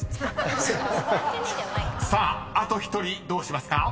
［さああと１人どうしますか？］